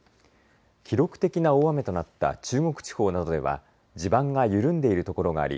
記録的な大雨となった中国地方などでは地盤が緩んでいるところがあり